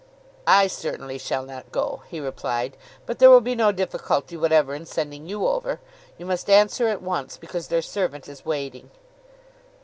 "I certainly shall not go," he replied; "but there will be no difficulty whatever in sending you over. You must answer at once, because their servant is waiting."